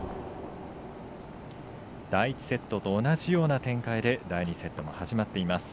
第１セットと同じような展開で第２セットも始まっています。